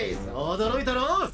驚いたろ？